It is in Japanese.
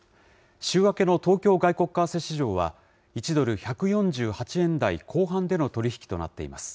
週明けの東京外国為替市場は、１ドル１４８円台後半での取り引きとなっています。